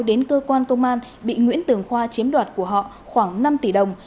đến cơ quan công an bị nguyễn tường khoa chiếm đoạt của họ khoảng năm tỷ đồng